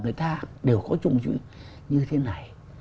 người ta đều có chung chữ như thế này